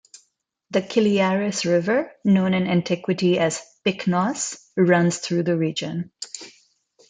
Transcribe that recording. The Kiliaris river, known in antiquity as 'Pyknos', runs through the region.